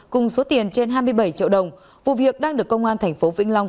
cùng số tiền trên hai mươi bảy triệu đồng vụ việc đang được công an thành phố vĩnh long